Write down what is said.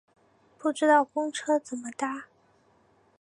不知道公车怎么搭